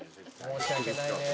「申し訳ないね」